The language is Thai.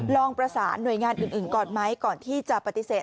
ลองประสานหน่วยงานอื่นก่อนไหมก่อนที่จะปฏิเสธ